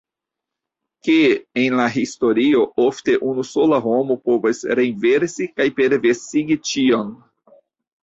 Ke en la historio ofte unu sola homo povas renversi kaj perversigi ĉion.